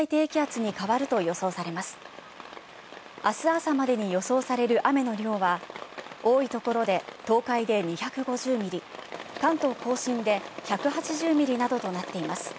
明日、朝までに予想される雨の量は多い所で東海で２５０ミリ、関東甲信で１８０ミリなどとなっています。